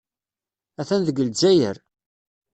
Atan deg Lezzayer.